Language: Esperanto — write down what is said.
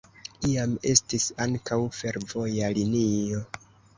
Iam estis ankaŭ fervoja linio.